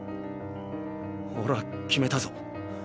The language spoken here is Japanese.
オレは決めたぞ。